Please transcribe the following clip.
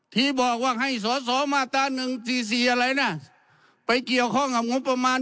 ที่บอกว่าให้สอสอมาตรา๑๔๔อะไรนะไปเกี่ยวข้องกับงบประมาณ